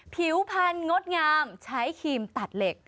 ผิวพันธดงามใช้ครีมตัดเหล็ก